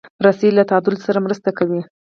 رسۍ له تعادل سره مرسته کوي.